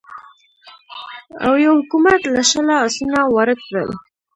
اویو حکومت له شله اسونه وارد کړل.